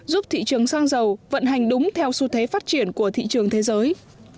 giúp thị trường xăng dầu vận hành đúng theo xu thế phát triển của thị trường thế giới